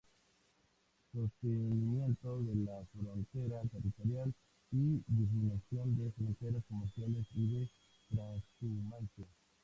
Sostenimiento de la frontera territorial y disminución de fronteras comerciales y de trashumancia.